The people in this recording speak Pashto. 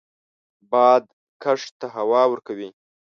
باد کښت ته هوا ورکوي